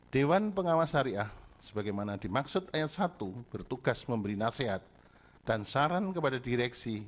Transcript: dewan pengawas syariah sebagaimana dimaksud ayat satu bertugas memberi nasihat dan saran kepada direksi